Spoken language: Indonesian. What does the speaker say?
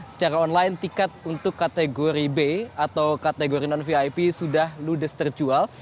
secara online tiket untuk kategori b atau kategori non vip sudah ludes terjual